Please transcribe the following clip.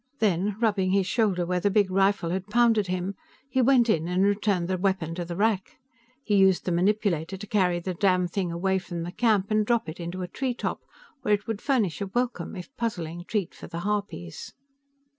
Then, rubbing his shoulder where the big rifle had pounded him, he went in and returned the weapon to the rack. He used the manipulator to carry the damnthing away from the camp and drop it into a treetop, where it would furnish a welcome if puzzling treat for the harpies.